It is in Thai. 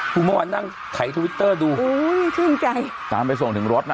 คือเมื่อวานนั่งไถทวิตเตอร์ดูอุ้ยชื่นใจตามไปส่งถึงรถน่ะ